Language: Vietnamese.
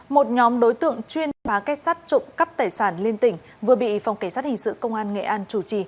một nhóm đối tượng chuyên phá cách sát trộm cắp tài sản lên tỉnh vừa bị phòng cảnh sát hình sự công an nghệ an chủ trì